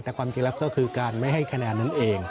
แต่ความจริงแล้วก็คือการไม่ให้คะแนนนั้นเอง